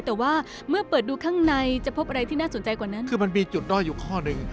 แต่ว่าเมื่อเปิดดูข้างในจะพบอะไรที่น่าสนใจกว่านั้นคือมันมีจุดด้อยอยู่ข้อหนึ่ง